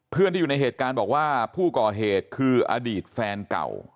ที่อยู่ในเหตุการณ์บอกว่าผู้ก่อเหตุคืออดีตแฟนเก่า